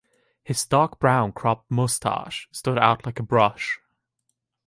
His dark-brown cropped moustache stood out like a brush.